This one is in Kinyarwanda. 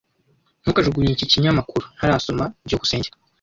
Ntukajugunye iki kinyamakuru. Ntarasoma. byukusenge